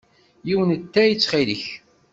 Yiwen n ttay ttxil-k!